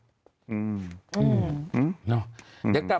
เดี๋ยวก็มาใส่